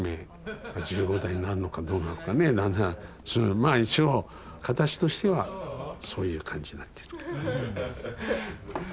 まあ一応形としてはそういう感じになってるけどね。